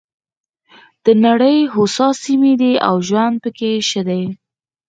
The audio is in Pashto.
د نړۍ هوسا سیمې دي او ژوند پکې ښه دی.